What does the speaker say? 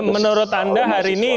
menurut anda hari ini